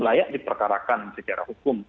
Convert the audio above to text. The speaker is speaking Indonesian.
layak diperkarakan secara hukum